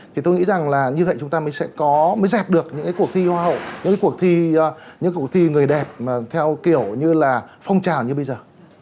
thì tôi nghĩ rằng là như vậy chúng ta mới sẽ có mới dẹp được những cái cuộc thi hoa hậu những cái cuộc thi người đẹp theo kiểu như là phong trào như bây giờ